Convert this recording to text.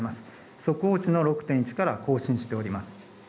速報値の６．１から更新しております。